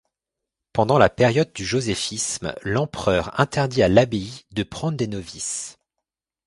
Pendant la période du joséphisme, l'empereur interdit à l'abbaye de prendre des novices.